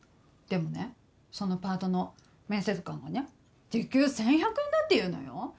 でもねそのパートの面接官がね時給１，１００円だっていうのよ。